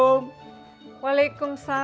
ehh unggul hati ulang turnsi ini di bidangnya